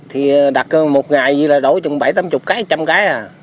thì đặt một ngày gì là đổi chừng bảy tám mươi cái một trăm linh cái à